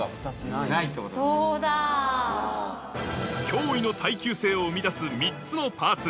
驚異の耐久性を生み出す３つのパーツ